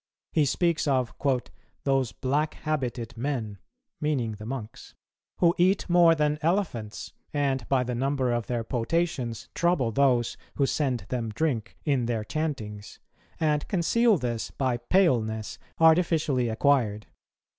He speaks of "those black habited men," meaning the monks, "who eat more than elephants, and by the number of their potations trouble those who send them drink in their chantings, and conceal this by paleness artificially acquired."